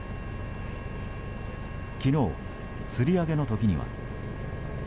昨日、つり上げの時には。